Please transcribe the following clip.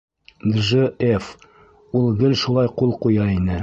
Дж. Ф. Ул гел шулай ҡул ҡуя ине.